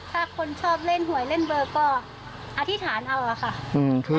ถ้าคนชอบเล่นหวยเล่นเบอร์ก็อธิษฐานเอาอะค่ะ